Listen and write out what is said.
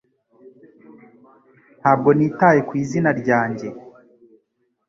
Ntabwo nitaye ku izina ryanjye